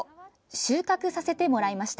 収穫させてもらいました。